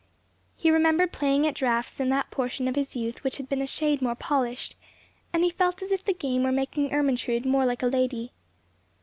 He remembered playing at draughts in that portion of his youth which had been a shade more polished, and he felt as if the game were making Ermentrude more hike a lady.